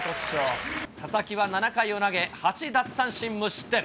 佐々木は７回を投げ、８奪三振無失点。